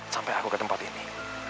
sampai aku ke tempat ini